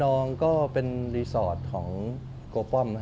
รองก็เป็นรีสอร์ทของโกป้อม